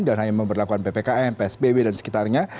dan hanya memperlakukan ppkm psbb dan sekitarnya